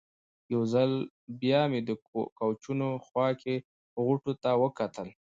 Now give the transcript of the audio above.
یو ځل بیا مې د کوچونو خوا کې غوټو ته وکتل.